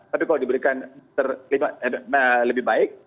tapi kalau diberikan lebih baik